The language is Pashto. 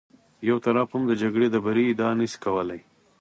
یو طرف هم د جګړې د بري ادعا نه شي کولی.